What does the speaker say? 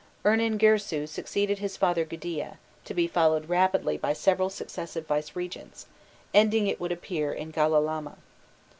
Urningirsu succeeded his father Gudea, to be followed rapidly by several successive vicegerents, ending, it would appear, in Gala lama.